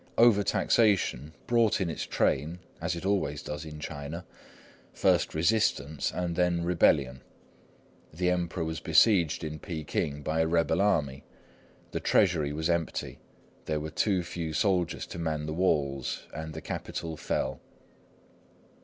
Over taxation brought in its train, as it always does in China, first resistance and then rebellion. The Emperor was besieged in Peking by a rebel army; the Treasury was empty; there were too few soldiers to man the walls; and the capital fell.